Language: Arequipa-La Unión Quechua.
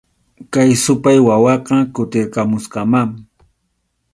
Kay supay wawaqa kutirqamusqamá